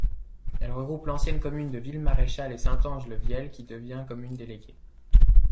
Elle regroupe l'ancienne commune de Villemaréchal et Saint-Ange-le-Viel qui devient commune déléguée.